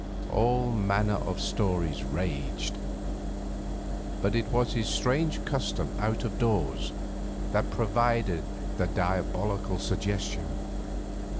All manner of stories raged. But it was his strange custom out of doors that provided the diabolical suggestion.